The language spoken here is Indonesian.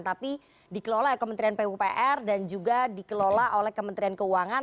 tapi dikelola oleh kementerian pupr dan juga dikelola oleh kementerian keuangan